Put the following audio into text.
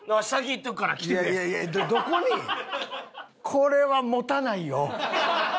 これは持たないよ。